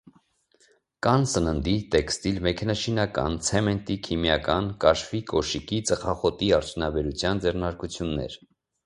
Կան սննդի, տեքստիլ, մեքենաշինական, ցեմենտի, քիմիական, կաշվի, կոշիկի, ծխախոտի արդյունաբերության ձեռնարկություններ։